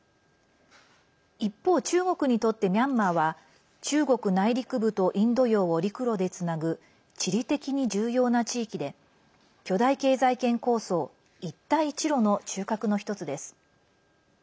一方、中国にとってミャンマーは中国内陸部とインド洋を陸路でつなぐ地理的に重要な地域で巨大経済圏構想、一帯一路の中核の１つです。